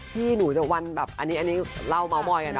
พี่หนูจะวั่นแบบอันนี้เหล้าเม้ามอย